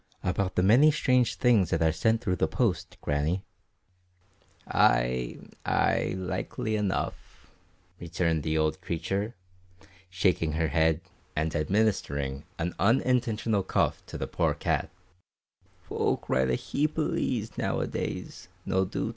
"About the many strange things that are sent through the post, Grannie." "Ay, ay, likely enough," returned the old creature, shaking her head and administering an unintentional cuff to the poor cat; "folk write a heap o' lees noo a days, nae doot."